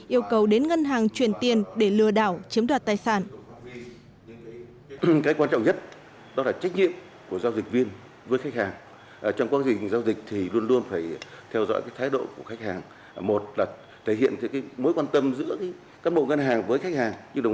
yêu cầu đến ngân hàng chuyển tiền để lừa đảo chiếm đoạt tài sản